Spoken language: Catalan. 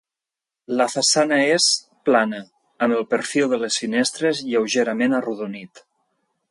La façana és plana, amb el perfil de les finestres lleugerament arrodonit.